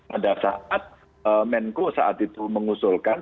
pada saat menko saat itu mengusulkan